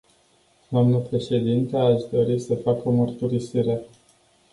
Doamnă președintă, aș dori să fac o mărturisire.